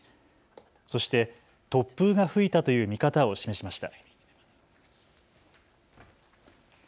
そして突風が吹いたという見方を示しました。